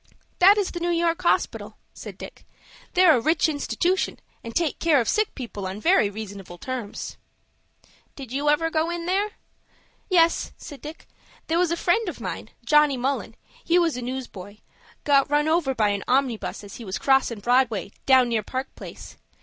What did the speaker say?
"That is the New York Hospital," said Dick. "They're a rich institution, and take care of sick people on very reasonable terms." "Did you ever go in there?" "Yes," said Dick; "there was a friend of mine, Johnny Mullen, he was a newsboy, got run over by a omnibus as he was crossin' Broadway down near Park Place.